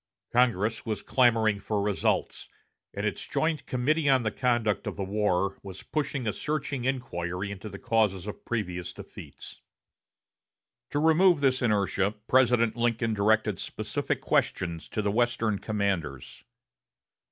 Congress was clamoring for results, and its joint Committee on the Conduct of the War was pushing a searching inquiry into the causes of previous defeats. To remove this inertia, President Lincoln directed specific questions to the Western commanders.